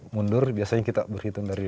mundur biasanya kita berhitung dari